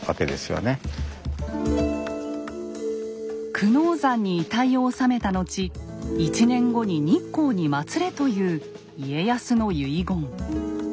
久能山に遺体を納めた後１年後に日光にまつれという家康の遺言。